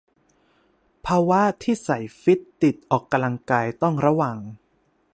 ภาวะที่สายฟิตติดออกกำลังกายต้องระวัง